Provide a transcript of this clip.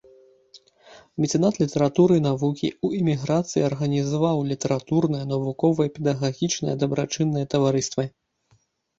Мецэнат літаратуры і навукі, у эміграцыі арганізаваў літаратурнае, навуковае, педагагічнае, дабрачыннае таварыствы.